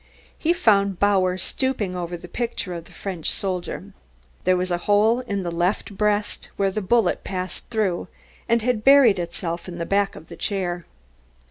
He found Bauer stooping over the picture of the French soldier. There was a hole in the left breast, where the bullet, passing through, had buried itself in the back of the chair.